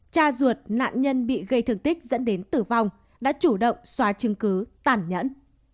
cha ruột nạn nhân bị gây thương tích dẫn đến tử vong đã chủ động xóa chứng cứ tản nhẫn